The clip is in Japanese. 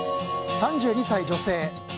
３２歳、女性。